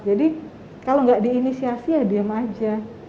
kalau nggak diinisiasi ya diam aja